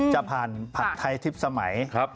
จะผ่านผัดไทยทิพย์สมัย